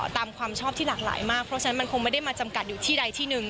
ความชอบที่หลากหลายมากเพราะฉะนั้นมันคงไม่ได้มาจำกัดอยู่ที่ใดที่หนึ่ง